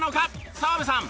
澤部さん